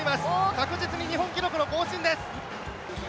確実に日本記録の更新です！